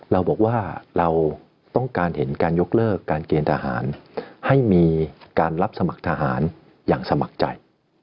เราบอกว่าเราต้องการเห็นการยกเลิกการเกณฑ์ทหารให้มีการรับสมัครทหารอย่างสมัครใจ